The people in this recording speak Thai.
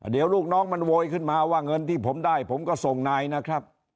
เดี๋ยวลูกน้องมันโวยขึ้นมาว่าเงินที่ผมได้ผมก็ส่งนายนะครับ